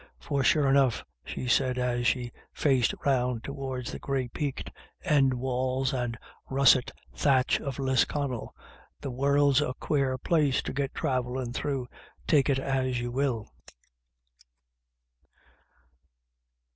For sure enough," she said, as she faced round towards the grey peaked end walls and russet thatch of Lisconnel, " the world's a quare place to get travellin' through, take it as you will."